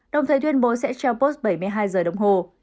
đồng thời tuyên bố sẽ trao post bảy mươi hai giờ đồng hồ